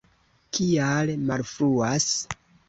Kial malfruas?